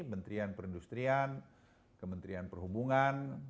menterian perindustrian kementerian perhubungan